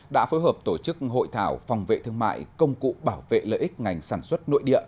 đã phối hợp tổ chức hội thảo phòng vệ thương mại công cụ bảo vệ lợi ích ngành sản xuất nội địa